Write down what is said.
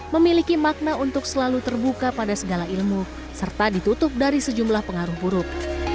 memiliki makna untuk selalu terbuka pada segala ilmu serta ditutup dari sejumlah pengaruh buruk